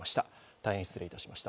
大変失礼いたしました。